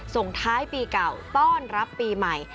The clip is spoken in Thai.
ส่งท้ายปีเก่าต้อนรับปีใหม่